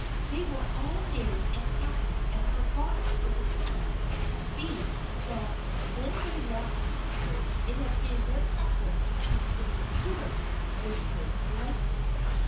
They were all merry and happy and had forgotten for the time being that when they left Kingsbridge it had been their custom to treat Sydney Stuart with cold politeness.